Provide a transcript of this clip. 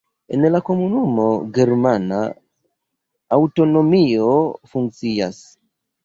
En la komunumo germana aŭtonomio funkcias.